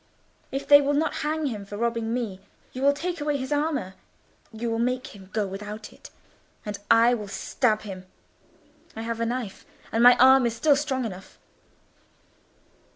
If they will not hang him for robbing me, you will take away his armour—you will make him go without it, and I will stab him. I have a knife, and my arm is still strong enough."